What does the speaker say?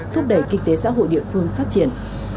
thúc đẩy kinh tế xã hội địa phương phát triển